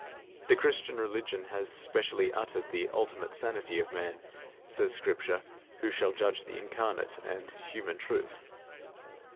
The Christian religion has specially uttered the ultimate sanity of Man, says Scripture, who shall judge the incarnate and human truth.